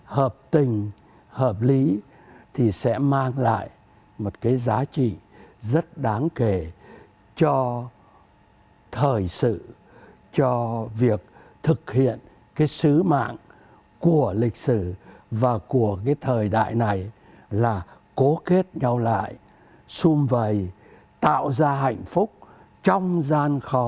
hợp tình hợp lý thì sẽ mang lại một cái giá trị rất đáng kể cho thời sự cho việc thực hiện cái sứ mạng của lịch sử và của cái thời đại này là cố kết nhau lại xung vầy tạo ra hạnh phúc trong gian khó